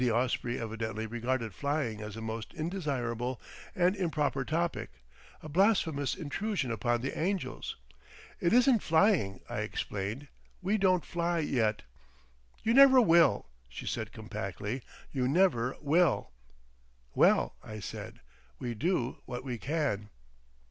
Lady Osprey evidently regarded flying as a most indesirable and improper topic—a blasphemous intrusion upon the angels. "It isn't flying," I explained. "We don't fly yet." "You never will," she said compactly. "You never will." "Well," I said, "we do what we can."